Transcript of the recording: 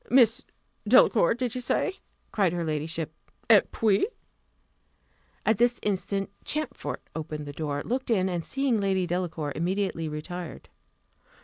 "Miss Delacour, did you say?" cried her ladyship: "Et puis?" At this instant Champfort opened the door, looked in, and seeing Lady Delacour, immediately retired.